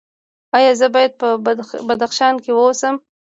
ایا زه باید په بدخشان کې اوسم؟